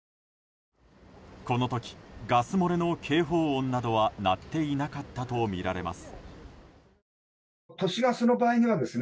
この時、ガス漏れの警報音などは鳴っていなかったとみられます。